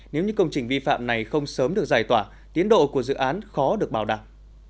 nếu như công trình vi phạm này không sớm được giải tỏa tiến độ của dự án khó được bảo đảm